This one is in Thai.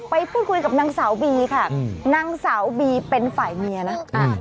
ไปพูดคุยกับนางสาวบีค่ะนางสาวบีเป็นฝ่ายเมียนะ